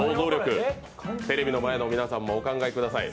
テレビの前の皆さんも、お考えください。